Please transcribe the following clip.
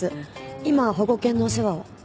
今は保護犬のお世話を。